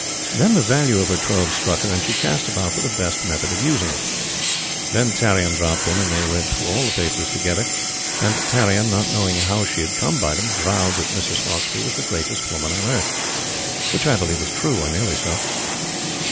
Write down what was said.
Then the value of her trove struck her, and she cast about for the best method of using it. Then Tarrion dropped in, and they read through all the papers together, and Tarrion, not knowing how she had come by them, vowed that Mrs. Hauksbee was the greatest woman on earth. Which I believe was true, or nearly so.